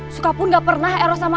sukapun gak pernah eros sama